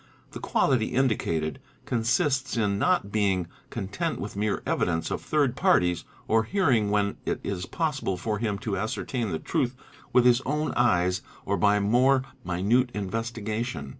The quality indicated | consists in not being content with mere evidence of third parties or hear say when it is possible for him to ascertain the truth with his own eyes or by more minute investigation.